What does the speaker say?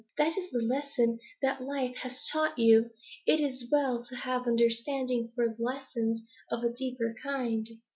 That is the lesson that life has taught you. It is well to have understanding for lessons of a deeper kind.'